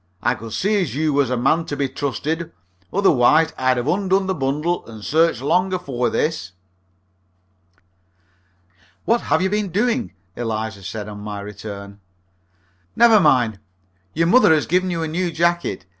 I could see as you was a man to be trusted, otherwise I'd 'ave undone the bundle and searched long afore this." "What have you been doing?" said Eliza, on my return. "Never mind. Your mother has given you a new jacket.